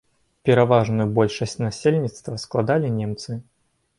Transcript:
Пераважную большасць насельніцтва складалі немцы.